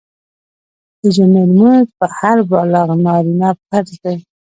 د جمعي لمونځ په هر بالغ نارينه فرض دی